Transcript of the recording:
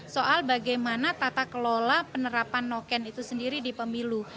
soal bagaimana tata kelola penerapan noken itu sendiri di pemilu